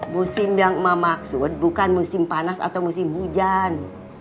musim yang memaksud bukan musim panas atau musim hujan